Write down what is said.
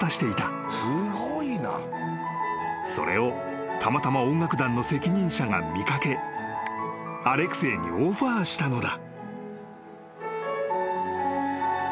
［それをたまたま音楽団の責任者が見掛けアレクセイにオファーしたのだ］